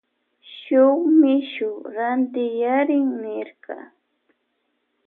Shuk mishu rantiyarin nirka.